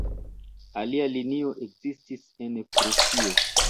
Alia linio ekzistis en Prusio.